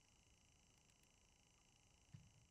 Kutgani roʻy bermadi.